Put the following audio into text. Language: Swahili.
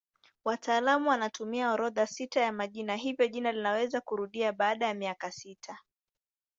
Wataalamu wanatumia orodha sita ya majina hivyo jina linaweza kurudia baada ya miaka sita.